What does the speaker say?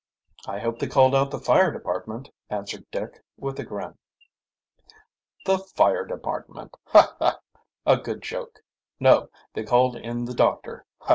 "I hope they called out the fire department," answered Dick, with a grin. "The fire department Ha! ha! a good joke! No; they called in the doctor, ha!